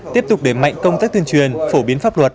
tiếp tục để mạnh công tác tuyên truyền phổ biến pháp luật